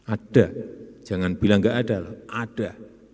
ada jangan bilang gak ada loh ada